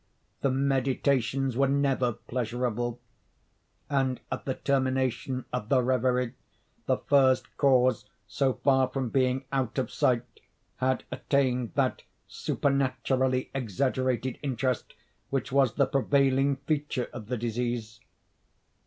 The meditations were never pleasurable; and, at the termination of the reverie, the first cause, so far from being out of sight, had attained that supernaturally exaggerated interest which was the prevailing feature of the disease.